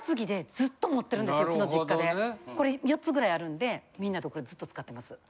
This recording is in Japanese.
これ４つぐらいあるんでみんなとこれずっと使ってます。